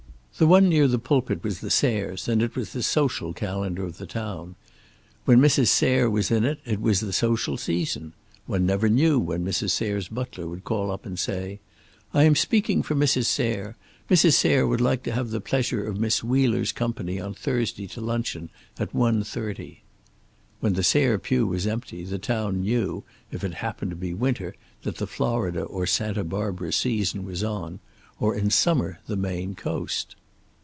The one near the pulpit was the Sayres' and it was the social calendar of the town. When Mrs. Sayre was in it, it was the social season. One never knew when Mrs. Sayre's butler would call up and say: "I am speaking for Mrs. Sayre. Mrs. Sayre would like to have the pleasure of Miss Wheeler's company on Thursday to luncheon, at one thirty." When the Sayre pew was empty, the town knew, if it happened to be winter, that the Florida or Santa Barbara season was on; or in summer the Maine coast.